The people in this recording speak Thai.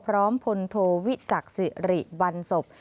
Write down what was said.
พร้อมพลโทวิจักษ์สิริบันศพ